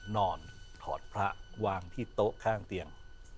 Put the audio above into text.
นอนถอดพระวางที่โต๊ะข้างเตียง